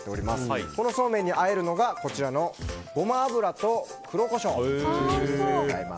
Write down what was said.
このそうめんにあえるのがゴマ油と黒コショウでございます。